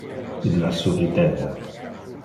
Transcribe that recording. Illa surrideva.